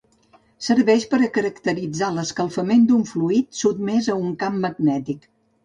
Serveix per caracteritzar l'escalfament d'un fluid sotmès a un camp magnètic.